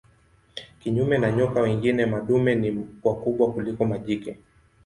Kinyume na nyoka wengine madume ni wakubwa kuliko majike.